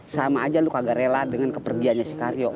sama aja lo kagak rela dengan kepergiannya si karyo